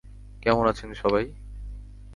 কেমন আছেন সবাই?